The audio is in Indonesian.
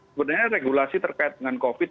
sebenarnya regulasi terkait dengan covid